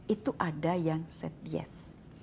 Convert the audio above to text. itu ada yang said yes